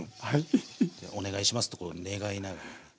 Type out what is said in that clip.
お願いしますとこう願いながら。